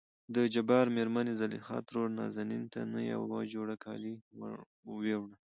دجبار مېرمنې زليخا ترور نازنين ته نه يو جوړ کالي وړل.